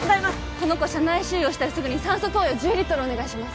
この子車内収容したらすぐに酸素投与１０リットルお願いします